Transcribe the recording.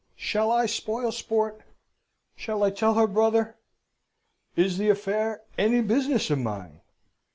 Shall I spoil sport? Shall I tell her brother? Is the affair any business of mine?